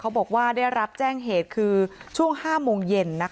บอกว่าได้รับแจ้งเหตุคือช่วง๕โมงเย็น